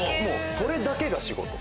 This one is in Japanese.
それだけが仕事。